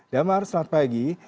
damar selamat pagi